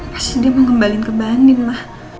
pasti dia mau ngembalin ke mbak andin ma